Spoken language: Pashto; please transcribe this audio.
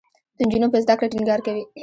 د نجونو په زده کړه ټینګار کوي.